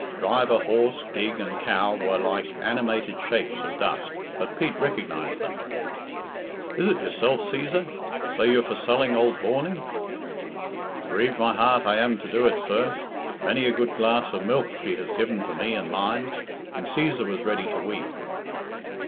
Driver, horse, gig, and cow were like animated shapes of dust, but Pete recognised them. "Is it yourself, Cæsar? So you're for selling ould Horney?" "Grieved in my heart I am to do it, sir. Many a good glass of milk she has given to me and mine," and Cæsar was ready to weep.